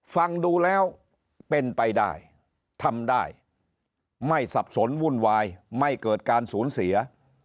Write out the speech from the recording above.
ฟังดูแล้วเป็นไปได้ทำได้ไม่สับสนวุ่นวายไม่เกิดการสูญเสีย